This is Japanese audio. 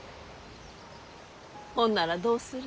ほんならどうする？